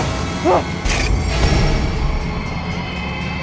saya sudah tanya sama bapak